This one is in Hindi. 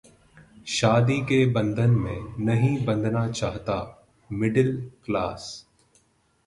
शादी के बंधन में नहीं बंधना चाहता मिडिल क्लास